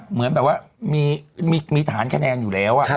เหมือนแบบว่ามีฐานคะแนนอยู่แล้ว